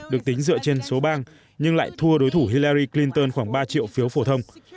được tính dựa trên số bang nhưng lại thua đối thủ hillary clinton khoảng ba triệu phiếu phổ thông